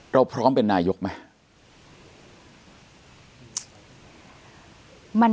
เราพร้อมเป็นนายกไหม